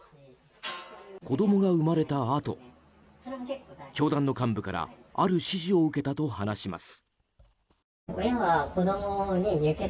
子供が生まれたあと教団の幹部からある指示を受けたと話します。